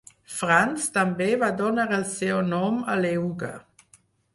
Franz també va donar el seu nom a l'euga.